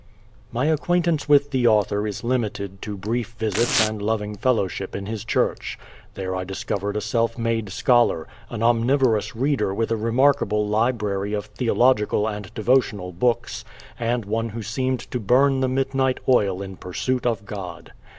My acquaintance with the author is limited to brief visits and loving fellowship in his church. There I discovered a self made scholar, an omnivorous reader with a remarkable library of theological and devotional books, and one who seemed to burn the midnight oil in pursuit of God.